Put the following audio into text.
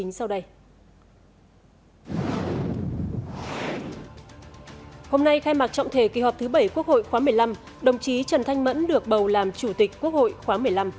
hôm nay khai mạc trọng thể kỳ họp thứ bảy quốc hội khóa một mươi năm đồng chí trần thanh mẫn được bầu làm chủ tịch quốc hội khóa một mươi năm